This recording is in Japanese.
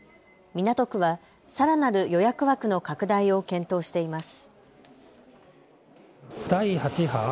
港区はさらなる予約枠の拡大を検討しています。